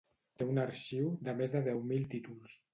Té un arxiu de més de deu mil títols.